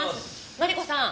マリコさん